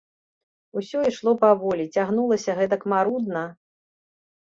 Усё ішло паволі, цягнулася гэтак марудна!